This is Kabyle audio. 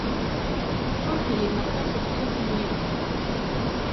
Ur fhimeɣ taseḍsut-nni.